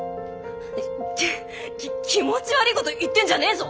気持ち悪いこと言ってんじゃねえぞ。